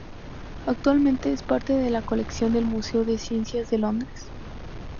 Actualmente es parte de la colección del Museo de Ciencias de Londres.